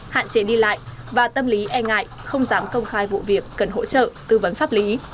hạn chế đi lại và tâm lý e ngại không dám công khai vụ việc cần hỗ trợ tư vấn pháp lý